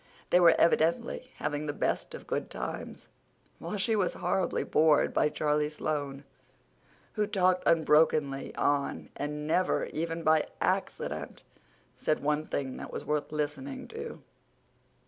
They were evidently having the best of good times, while she was horribly bored by Charlie Sloane, who talked unbrokenly on, and never, even by accident, said one thing that was worth listening to.